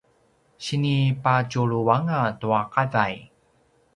sinipadjuluanga tua qavay